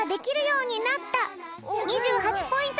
２８ポイント